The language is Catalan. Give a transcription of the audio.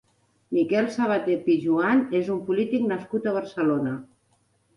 Miguel Sabate Pijoan és un polític nascut a Barcelona.